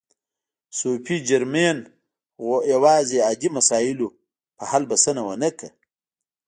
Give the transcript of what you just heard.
صوفي جرمین یوازې عادي مسایلو په حل بسنه و نه کړه.